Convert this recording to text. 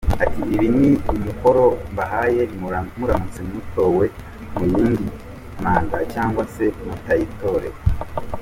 Ati “Ibi ni umukoro mbahaye, muramutse mutowe mu yindi manda cyangwa se mutayitorewe.